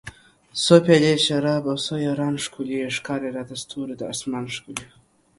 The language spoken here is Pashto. څو پیالۍ شراب او څو یاران ښکلي ښکاري راته ستوري د اسمان ښکلي